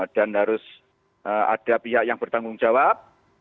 dan harus ada pihak yang bertanggung jawab